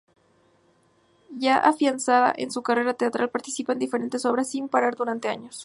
Ya afianzada en su carrera teatral participa en diferentes obras sin parar durante años.